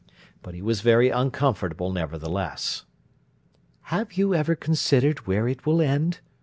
But he was very uncomfortable, nevertheless. "Have you ever considered where it will end?"